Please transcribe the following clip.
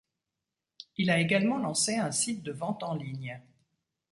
Il a également lancé un site de vente en ligne.